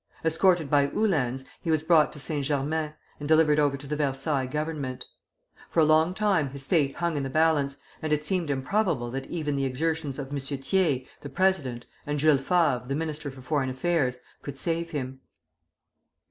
Escorted by Uhlans, he was brought to St. Germains, and delivered over to the Versailles Government. For a long time his fate hung in the balance, and it seemed improbable that even the exertions of M. Thiers, the President, and Jules Favre, the Minister for Foreign Affairs, could save him.